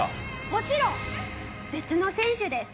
もちろん別の選手です。